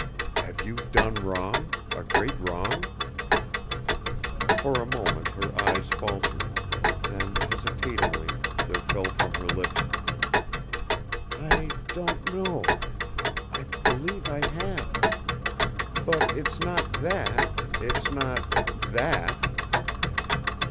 "Have you done wrong a great wrong?" For a moment her eyes faltered; then, hesitatingly, there fell from her lips, "I don't know. I believe I have. But it's not that it's not _that!